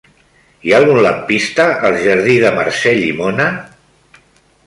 Hi ha algun lampista al jardí de Mercè Llimona?